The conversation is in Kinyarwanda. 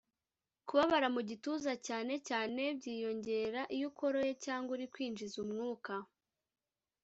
Kubabara mu gituza cyane cyane byiyongera iyo ukoroye cg uri kwinjiza umwuka